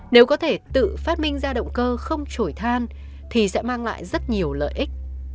nếu có thể tự phát minh ra động cơ không trổi than thì sẽ mang lại rất nhiều lợi ích